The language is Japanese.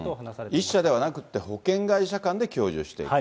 １社ではなくて保険会社間で享受していくと。